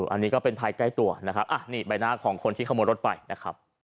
อันนี้ก็เป็นภายใกล้ตัวนะครับนี่ใบหน้าของคนที่ขโมยรถไปนะครับ